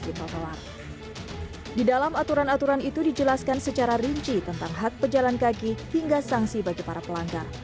di dalam aturan aturan itu dijelaskan secara rinci tentang hak pejalan kaki hingga sanksi bagi para pelanggar